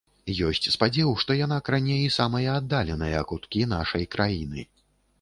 Ёсць спадзеў, што яна кране і самыя аддаленыя куткі нашай краіны.